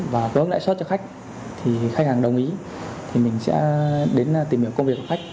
và cơ hội đại suất cho khách thì khách hàng đồng ý thì mình sẽ đến tìm hiểu công việc của khách